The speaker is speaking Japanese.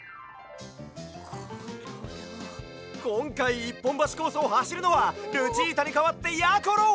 １ぽんばしコースをはしるのはルチータにかわってやころ！